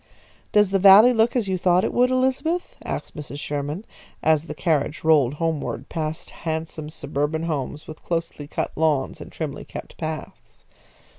"Does the Valley look as you thought it would, Elizabeth?" asked Mrs. Sherman, as the carriage rolled homeward, past handsome suburban homes with closely cut lawns and trimly kept paths.